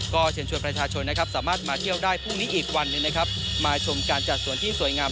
ก็เชิญชวนประชาชนนะครับสามารถมาเที่ยวได้พรุ่งนี้อีกวันหนึ่งนะครับมาชมการจัดส่วนที่สวยงาม